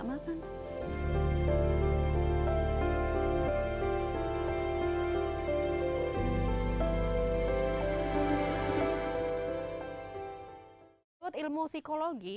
menurut ilmu psikologi